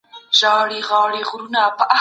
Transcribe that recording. ملي ګرايي پرون خيانت ګڼل کېده خو نن ضرورت دی.